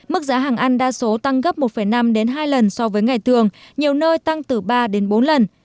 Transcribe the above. mức giá hàng ăn đa số tăng gấp một năm đến hai lần so với ngày thường nhiều nơi tăng từ ba đến bốn lần